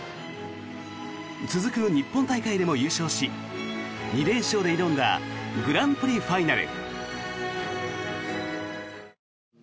続く日本大会でも優勝し２連勝で挑んだグランプリファイナル。